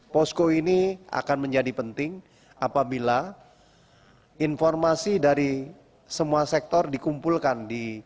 komunikasi adalah bagian